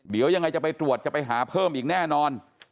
เดี๋ยวยังไงจะไปตรวจจะไปหาเพิ่มอีกแน่นอน